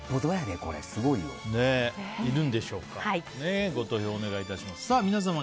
いるんでしょうか。